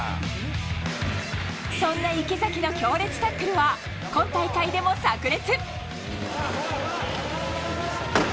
そんな池崎の強烈タックルは今大会でもさく裂。